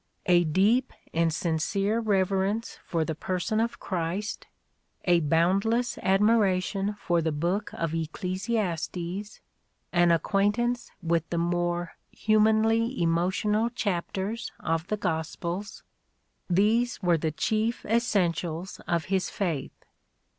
A deep and sincere re verence for the person of Christ, — a boundless admiration for the book of Ecclesiastes, — an acquaintance with the more humanly emotional chapters of the Gospels, — these were the chief essentials of his faith.